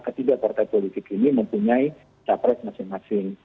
ketiga partai politik ini mempunyai capres masing masing